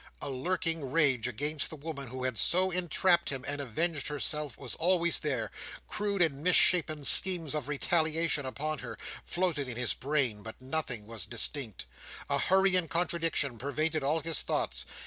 A lurking rage against the woman who had so entrapped him and avenged herself was always there; crude and misshapen schemes of retaliation upon her, floated in his brain; but nothing was distinct. A hurry and contradiction pervaded all his thoughts.